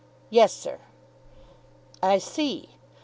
"Yes, sir." "I see.